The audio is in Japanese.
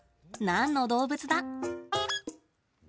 何の動物だ？